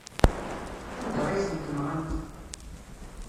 Anda ay tent-nɣant?